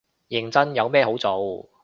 認真，有咩好做